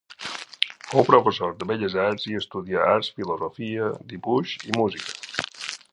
Fou professor de belles arts i estudià arts, filosofia, dibuix i música.